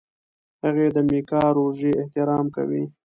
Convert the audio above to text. هغې د میکا روژې احترام کوي.